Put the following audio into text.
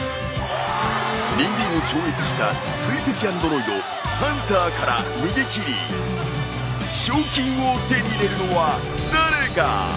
人間を超越した追跡アンドロイドハンターから逃げ切り賞金を手に入れるのは誰か！？